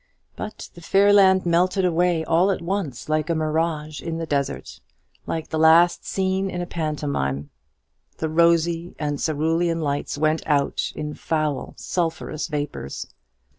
But the fairy land melted away all at once, like a mirage in the desert; like the last scene in a pantomime, the rosy and cerulean lights went out in foul sulphurous vapours.